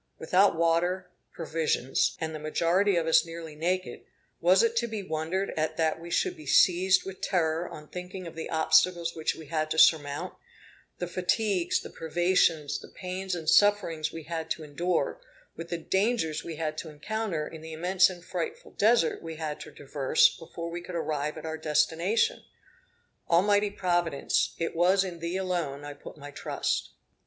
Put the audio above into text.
Without water, provisions, and the majority of us nearly naked, was it to be wondered at that we should be seized with terror on thinking of the obstacles which we had to surmount, the fatigues, the privations, the pains and sufferings we had to endure, with the dangers we had to encounter in the immense and frightful Desert we had to traverse before we could arrive at our destination? Almighty Providence! it was in Thee alone I put my trust.